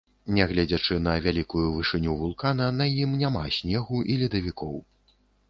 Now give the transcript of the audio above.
Нягледзячы на вялікую вышыню вулкана на ім няма снегу і ледавікоў.